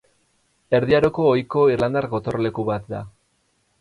Erdi Aroko ohiko irlandar gotorleku bat da.